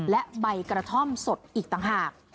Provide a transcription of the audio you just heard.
และใบกระท่อมสดอีกต่างหาก